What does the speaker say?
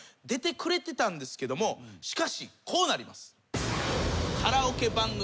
しかしこうなります。